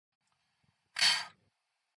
온유한 입술에 악한 마음은 낮은 은을 입힌 토기니라